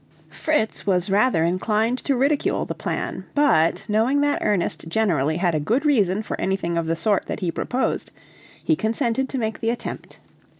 Fritz was rather inclined to ridicule the plan, but, knowing that Ernest generally had a good reason for anything of the sort that he proposed, he consented to make the attempt.